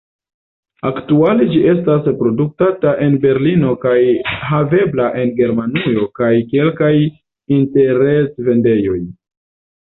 Aktuale ĝi estas produktata en Berlino kaj havebla en Germanujo kaj kelkaj interret-vendejoj.